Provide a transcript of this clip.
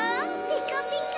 ピカピカ！